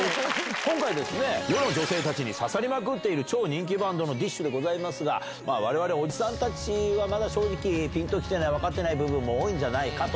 今回ですね、世の女性たちに刺さりまくっている超人気バンドのＤＩＳＨ／／でございますが、われわれ、おじさんたちはまだ正直、ピンときてない、分かってない部分も多いんじゃないかと。